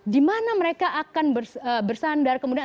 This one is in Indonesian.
di mana mereka akan bersandar kemudian